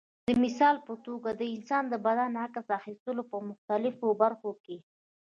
د مثال په توګه د انسان د بدن عکس اخیستلو په مختلفو برخو کې.